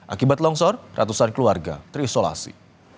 akibat longsor ratusan keluarga terisolasi